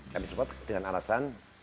kami sempat dengan alasan